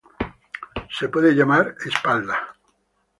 Puede ser llamada "espalda".